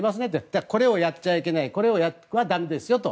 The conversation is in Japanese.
じゃあ、これをやっちゃいけないこれは駄目ですよと。